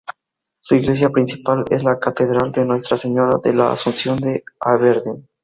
Su iglesia principal es la Catedral de Nuestra Señora de la Asunción de Aberdeen.